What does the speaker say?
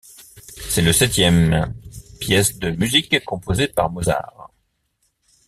C'est le septième pièce de musique composée par Mozart.